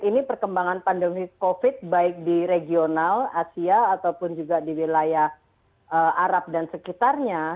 ini perkembangan pandemi covid baik di regional asia ataupun juga di wilayah arab dan sekitarnya